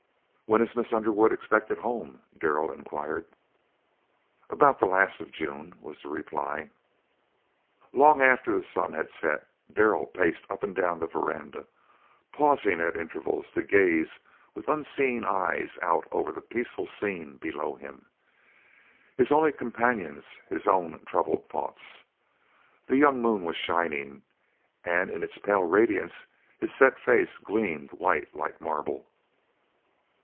"When is Miss Underwood expected home?" Darrell inquired. "About the last of June," was the reply. Long after the sun had set Darrell paced up and down the veranda, pausing at intervals to gaze with unseeing eyes out over the peaceful scene below him, his only companions his own troubled thoughts. The young moon was shining, and in its pale radiance his set face gleamed white like marble.